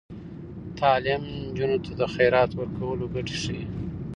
تعلیم نجونو ته د خیرات ورکولو ګټې ښيي.